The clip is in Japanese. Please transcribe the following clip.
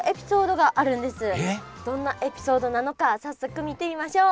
どんなエピソードなのか早速見てみましょう。